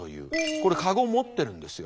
これカゴを持ってるんですよ。